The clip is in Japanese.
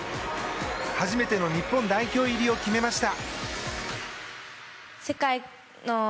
初めての日本代表入りを決めました。